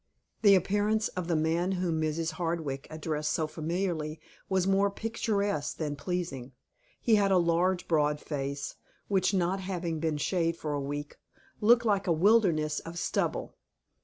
THE appearance of the man whom Mrs. Hardwick addressed so familiarly was more picturesque than pleasing. He had a large, broad face, which, not having been shaved for a week, looked like a wilderness of stubble.